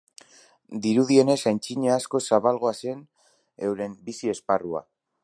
Dirudienez antzina askoz zabalagoa zen euren bizi-esparrua.